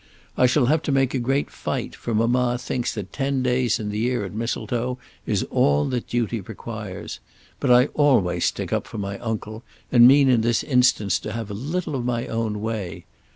I shall have to make a great fight, for mamma thinks that ten days in the year at Mistletoe is all that duty requires. But I always stick up for my uncle, and mean in this instance to have a little of my own way.